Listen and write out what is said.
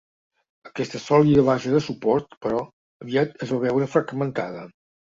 Aquesta sòlida base de suport, però, aviat es va veure fragmentada.